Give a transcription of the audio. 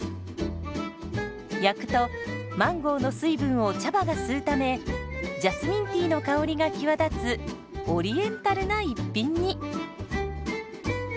焼くとマンゴーの水分を茶葉が吸うためジャスミンティーの香りが際立つオリエンタルな一品に。